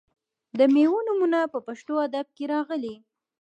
د میوو نومونه په پښتو ادب کې راغلي.